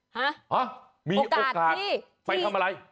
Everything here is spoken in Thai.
ฮะฮะมีโอกาสไปทำอะไร